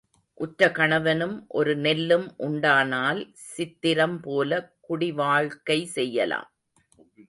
உற்ற கணவனும் ஒரு நெல்லும் உண்டானால் சித்திரம் போலே குடிவாழ்க்கை செய்யலாம்.